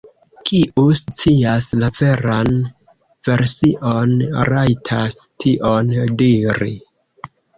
Kiu scias la veran version, rajtas tion diri.